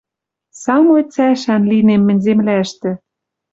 Самой цӓшӓн линем мӹнь земляштӹ...»